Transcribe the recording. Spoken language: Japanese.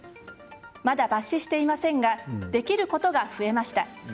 まだ抜糸していませんができることが増えました。